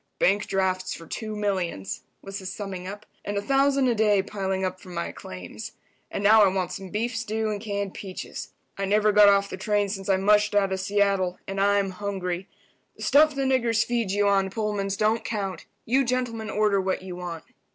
"Bank drafts for two millions," was his summing up, "and a thousand a day piling up from my claims. And now I want some beef stew and canned peaches. I never got off the train since I mushed out of Seattle, and I'm hungry. The stuff the niggers feed you on Pullmans don't count. You gentlemen order what you want."